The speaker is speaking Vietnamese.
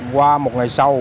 qua một ngày sau